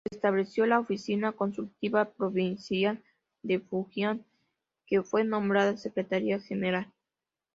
Se estableció la Oficina Consultiva Provincial de Fujian, que fue nombrada Secretaria General.